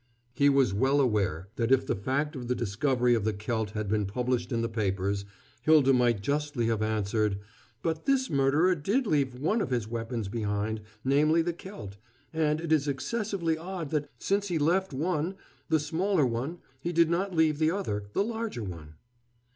He was well aware that if the fact of the discovery of the celt had been published in the papers, Hylda might justly have answered: "But this murderer did leave one of his weapons behind, namely the celt; and it is excessively odd that, since he left one, the smaller one, he did not leave the other, the larger one."